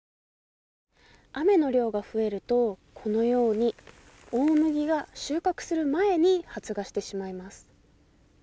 雨の量が増えるとこのように大麦が収穫する前に発芽してしまいます。